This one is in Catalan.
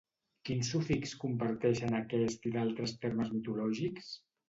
Quin sufix comparteixen aquest i d'altres termes mitològics?